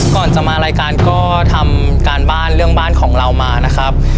ก่อนจะมารายการก็ทำการบ้านเรื่องบ้านของเรามานะครับ